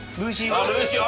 あっ「ルーシー」